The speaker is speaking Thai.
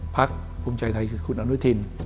พักภูมิใจไทยคือคุณอนุทิน